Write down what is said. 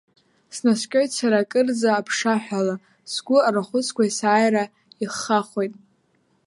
Снаскьоит сара акырӡа аԥшаҳәала, сгәы арахәыцқәа есааира иххахоит.